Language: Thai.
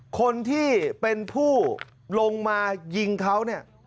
คนที่เป็นผู้ลงมายิงเขาเนี่ย